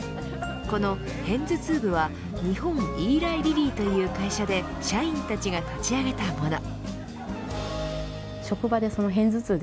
このヘンズツウ部は日本イーライリリーという会社で社員たちが立ち上げたもの。